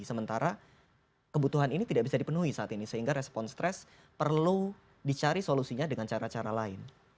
sementara kebutuhan ini tidak bisa dipenuhi saat ini sehingga respon stres perlu dicari solusinya dengan cara cara lain